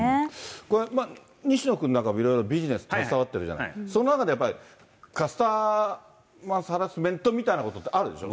これ、西野君なんかもいろいろビジネス携わってるじゃない、その中でやっぱり、カスタマーハラスメントみたいなことってあるでしょ。